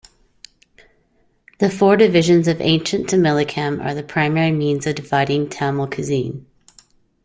The four divisions of ancient Tamilakam are the primary means of dividing Tamil cuisine.